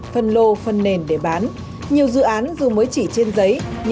phân lô phân nền